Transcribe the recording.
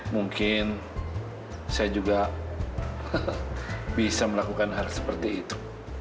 mungkin saya juga bisa melakukan hal seperti itu